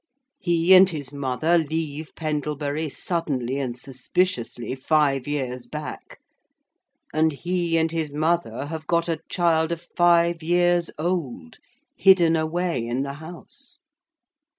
He and his mother leave Pendlebury suddenly and suspiciously five years back; and he and his mother have got a child of five years old, hidden away in the house.